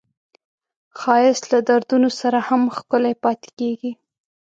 ښایست له دردونو سره هم ښکلی پاتې کېږي